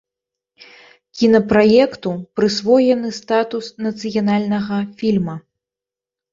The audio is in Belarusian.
Кінапраекту прысвоены статус нацыянальнага фільма.